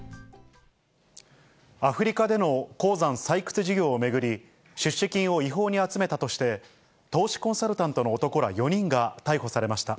アフリカでの鉱山採掘事業を巡り、出資金を違法に集めたとして、投資コンサルタントの男ら４人が逮捕されました。